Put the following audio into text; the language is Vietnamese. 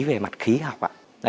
về mặt khí học ạ